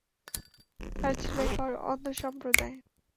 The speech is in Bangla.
তারা ছিল এক অন্ধ সম্প্রদায়।